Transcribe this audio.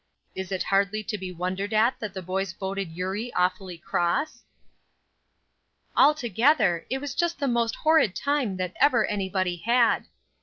Is it hardly to be wondered at that the boys voted Eurie awfully cross? "Altogether, it was just the most horrid time that ever anybody had."